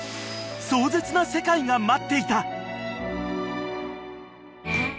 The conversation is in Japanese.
［壮絶な世界が待っていた］